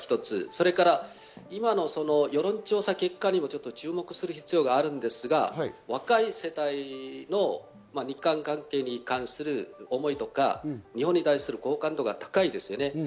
それから今の世論調査結果にも注目する必要があるんですが、若い世代の日韓関係に関する思いとか、日本に対する好感度が高いですよね。